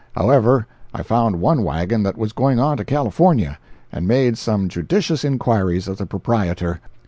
However, I found one wagon that was going on to California, and made some judicious inquiries of the proprietor.